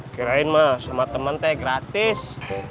kirain mas sama temen teh gratis